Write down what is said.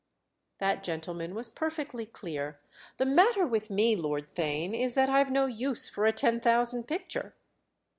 That gentleman was perfectly clear. "The matter with me, Lord Theign, is that I've no use for a ten thousand picture."